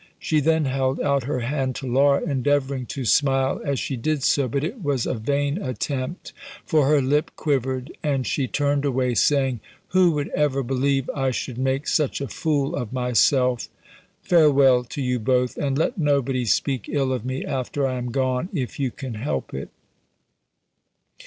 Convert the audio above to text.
She then held out her hand to Laura, endeavouring to smile as she did so, but it was a vain attempt, for her lip quivered, and she turned away, saying, "Who would ever believe I should make such a fool of myself! Farewell to you both! and let nobody speak ill of me after I am gone, if you can help it!"